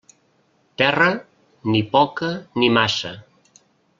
Terra, ni poca ni massa.